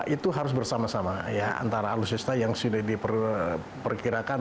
itu harus bersama sama ya antara alutsista yang sudah diperkirakan